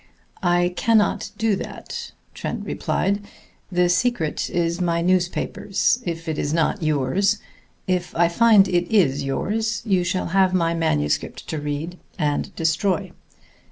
"I cannot do that," Trent replied. "The secret is my newspaper's, if it is not yours. If I find it is yours, you shall have my manuscript to read and destroy.